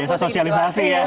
biasa sosialisasi ya